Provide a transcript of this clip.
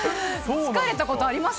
つかれたことあります？